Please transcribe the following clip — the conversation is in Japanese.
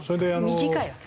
短いわけ？